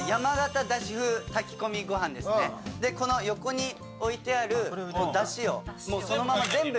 この横に置いてあるだしをそのまま全部。